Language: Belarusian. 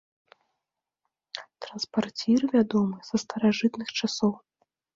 Транспарцір вядомы са старажытных часоў.